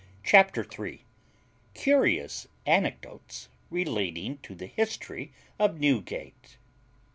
CHAPTER THREE CURIOUS ANECDOTES RELATING TO THE HISTORY OF NEWGATE.